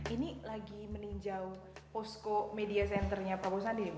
ini lagi meninjau posko media centernya prabowo sandi